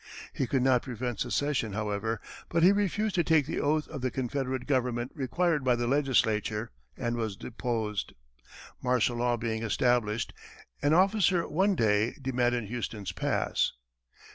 He could not prevent secession, however, but he refused to take the oath to the Confederate government required by the legislature and was deposed. Martial law being established, an officer one day demanded Houston's pass.